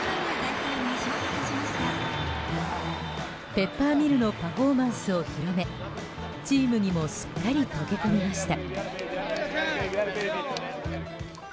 ペッパーミルのパフォーマンスを広めチームにもすっかり溶け込みました。